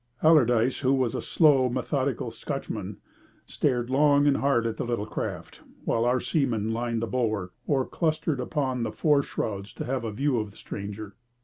Allardyce, who was a slow and methodical Scotchman, stared long and hard at the little craft, while our seamen lined the bulwark or clustered upon the fore shrouds to have a view of the stranger.